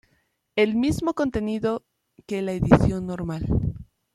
El mismo contenido que la edición normal.